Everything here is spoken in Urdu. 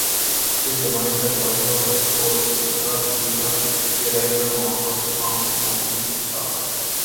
اس زمانے تک وعظ اور فتویٰ خلیفہ کی رائے پر موقوف تھا